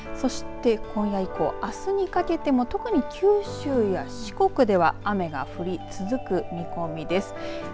そしてこの今夜以降あすにかけても特に九州や四国では雨が降り続く見込みです。